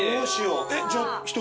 えっじゃあ１人。